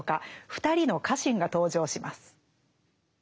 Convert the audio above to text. ２人の家臣が登場します。